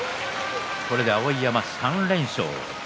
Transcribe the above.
これで碧山３連勝。